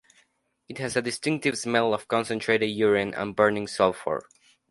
It has a distinctive smell of concentrated urine and burning sulphur.